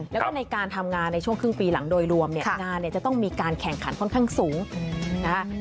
แล้วก็ในการทำงานในช่วงครึ่งปีหลังโดยรวมเนี่ยงานเนี่ยจะต้องมีการแข่งขันค่อนข้างสูงนะคะ